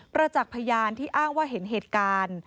ประจักษ์พยานที่อ้างว่าเห็นเหตุการณ์